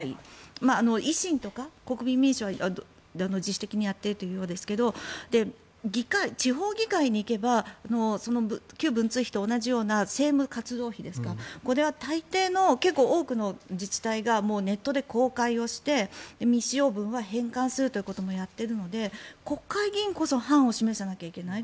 公開はしない未承認の返還もしていない維新とか国民民主は自主的にやっているようですが地方議会に行けば旧文通費と同じような政務活動費ですかこれは大抵の結構多くの自治体がネットで公開をして未使用分は返還するということもやっているので国会議員こそ範を示さなきゃいけない。